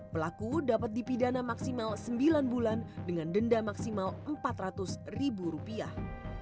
pelaku dapat dipidana maksimal sembilan bulan dengan denda maksimal empat ratus ribu rupiah